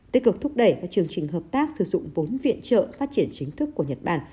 tích cực thúc đẩy các chương trình hợp tác sử dụng vốn viện trợ phát triển chính thức của nhật bản